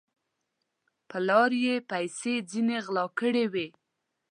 پر لار یې پیسې ځیني غلا کړي وې